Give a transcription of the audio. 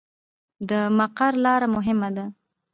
د مقر لاره مهمه ده